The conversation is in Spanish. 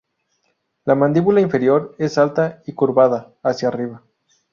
La mandíbula inferior es alta y curvada hacia arriba.